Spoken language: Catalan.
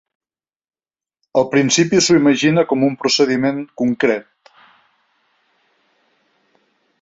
Al principi s'ho imagina com un procediment concret.